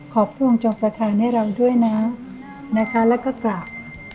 ขอพลวงจงประทานให้เราด้วยนะนะคะแล้วก็กลับ